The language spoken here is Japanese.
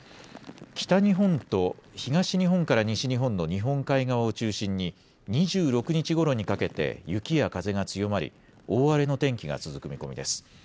北日本と東日本から西日本の日本海側を中心に２６日ごろにかけて雪や風が強まり、大荒れの天気が続く見込みです。